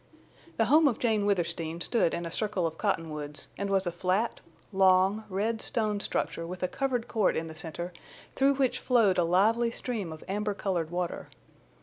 The home of Jane Withersteen stood in a circle of cottonwoods, and was a flat, long, red stone structure with a covered court in the center through which flowed a lively stream of amber colored water.